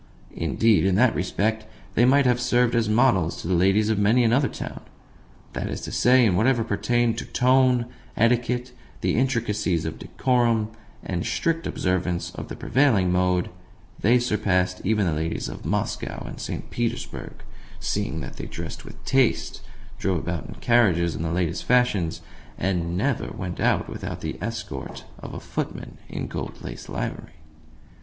Indeed, in that respect they might have served as a model to the ladies of many another town. That is to say, in whatever pertained to "tone," etiquette, the intricacies of decorum, and strict observance of the prevailing mode, they surpassed even the ladies of Moscow and St. Petersburg, seeing that they dressed with taste, drove about in carriages in the latest fashions, and never went out without the escort of a footman in gold laced livery.